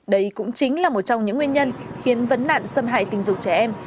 đây cũng chính là một trong những nguyên nhân khiến vấn nạn xâm hại tình dục trẻ em